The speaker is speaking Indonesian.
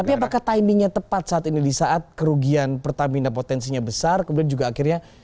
tapi apakah timingnya tepat saat ini di saat kerugian pertamina potensinya besar kemudian juga akhirnya